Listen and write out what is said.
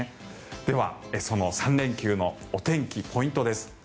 では、その３連休のお天気ポイントです。